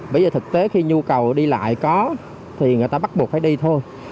bây giờ thực tế khi nhu cầu đi lại có thì người ta bắt buộc phải đi thôi